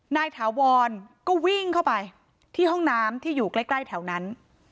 ถาวรก็วิ่งเข้าไปที่ห้องน้ำที่อยู่ใกล้แถวนั้น